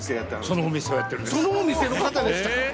そのお店の方でしたか！